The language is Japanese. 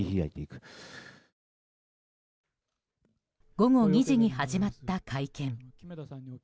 午後２時に始まった会見。